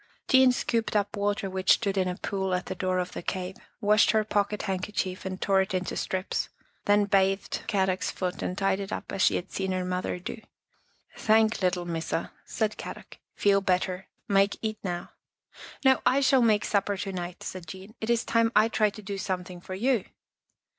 Jean scooped up water which stood in a pool at the door of the cave, washed her pocket hand kerchief and tore it into strips, then bathed Kadok's foot and tied it up as she had seen her mother do. " Thank little Missa," said Kadok. " Feel better, make eat now." " No, I shall make supper to night," said Jean. " It is time I tried to do something for you."